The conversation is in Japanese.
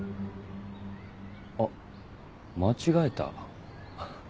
あっ間違えた。